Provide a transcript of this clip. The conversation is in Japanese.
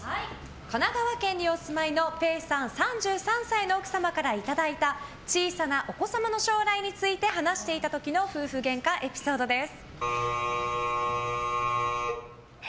神奈川県にお住いのぺえさん３３歳の奥様からいただいた小さなお子様の将来について話していた時の夫婦ゲンカエピソードです。